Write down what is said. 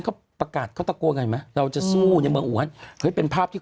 เขาประกาศเขาตะโกนกันไหมเราจะสู้ในเมืองอูฮันเฮ้ยเป็นภาพที่